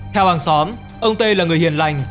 theo hàng xóm ông t là người hiền lành